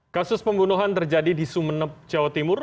kasus pembunuhan terjadi di sumeneb jawa timur